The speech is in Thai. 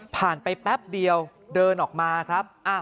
ไปแป๊บเดียวเดินออกมาครับ